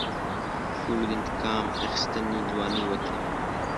ټولو د انتقام اخیستنې ځوانۍ وکړې.